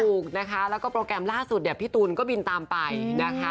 ถูกนะคะแล้วก็โปรแกรมล่าสุดเนี่ยพี่ตูนก็บินตามไปนะคะ